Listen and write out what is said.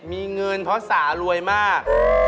มีเงินเพราะสารวยมาก